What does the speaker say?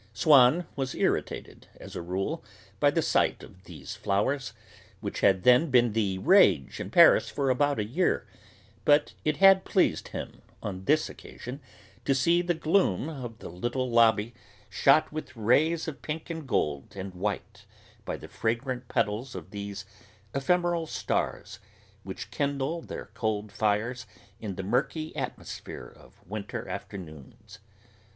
Swann was irritated, as a rule, by the sight of these flowers, which had then been 'the rage' in Paris for about a year, but it had pleased him, on this occasion, to see the gloom of the little lobby shot with rays of pink and gold and white by the fragrant petals of these ephemeral stars, which kindle their cold fires in the murky atmosphere of winter afternoons.